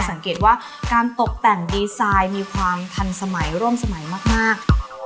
สังเกตว่าการตกแต่งดีไซน์มีความทันสมัยร่วมสมัยมาก